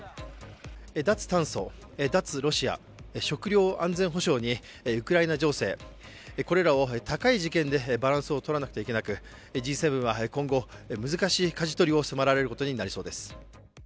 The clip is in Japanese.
脱炭素、脱ロシア、食糧安全保障にウクライナ情勢、これらを高い次元でバランスをとらなくてはいけなくＧ７は今後、難しいかじ取りを迫られることになりそうです。